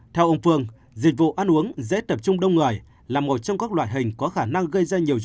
theo ông phương dịch vụ ăn uống dễ tập trung đông người là một trong các loại hình có khả năng gây ra nhiều rủi ro